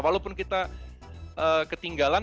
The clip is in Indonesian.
walaupun kita ketinggalan